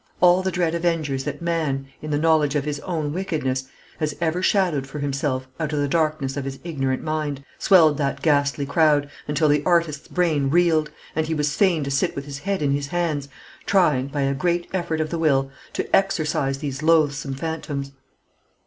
All the dread avengers that man, in the knowledge of his own wickedness, has ever shadowed for himself out of the darkness of his ignorant mind, swelled that ghastly crowd, until the artist's brain reeled, and he was fain to sit with his head in his hands, trying, by a great effort of the will, to exorcise these loathsome phantoms.